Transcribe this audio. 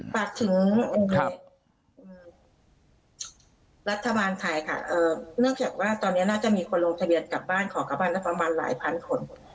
ฝากถึงรัฐบาลไทยค่ะเนื่องจากว่าตอนนี้น่าจะมีคนลงทะเบียนกลับบ้านขอกลับบ้านได้ประมาณหลายพันคน